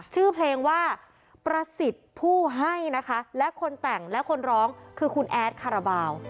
ชื่อเพลงว่าประสิทธิ์ผู้ให้นะคะและคนแต่งและคนร้องคือคุณแอดคาราบาล